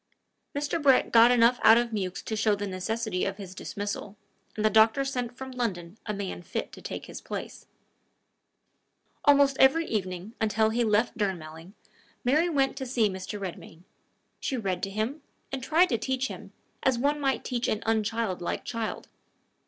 Mr. Brett got enough out of Mewks to show the necessity of his dismissal, and the doctor sent from London a man fit to take his place. Almost every evening, until he left Durnmelling, Mary went to see Mr. Redmain. She read to him, and tried to teach him, as one might an unchildlike child.